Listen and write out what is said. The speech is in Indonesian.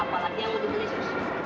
apalagi yang mau dibeli susu